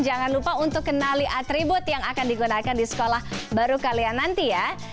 jangan lupa untuk kenali atribut yang akan digunakan di sekolah baru kali ya nanti ya